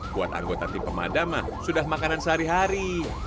buat anggota tim pemadam mah sudah makanan sehari hari